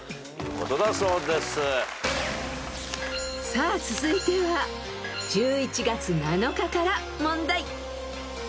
［さあ続いては１１月７日から問題］